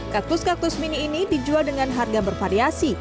kaktus kaktus mini ini dijual dengan harga bervariasi